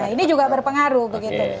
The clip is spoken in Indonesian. ini juga berpengaruh begitu